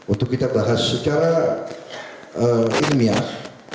untuk kita bahas secara ilmiah